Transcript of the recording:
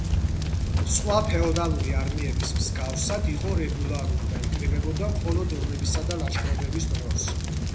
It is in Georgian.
სხვა ფეოდალური არმიების მსგავსად, იყო ირეგულარული და იკრიბებოდა მხოლოდ ომებისა და ლაშქრობების დროს.